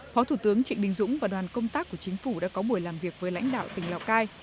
phó thủ tướng trịnh đình dũng và đoàn công tác của chính phủ đã có buổi làm việc với lãnh đạo tỉnh lào cai